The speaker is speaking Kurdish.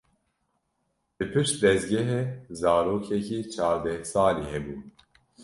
Li pişt dezgehê zarokekî çardeh salî hebû.